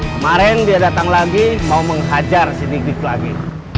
kemarin dia datang lagi mau ngehajar sedikit lagi